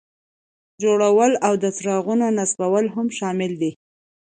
جوړول او د څراغونو نصبول هم شامل دي.